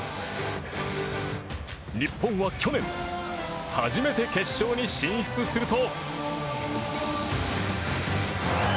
日本は去年初めて決勝に進出すると。